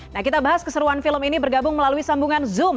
nah kita bahas keseruan film ini bergabung melalui sambungan zoom